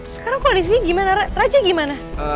sekarang kalau di sini gimana raja gimana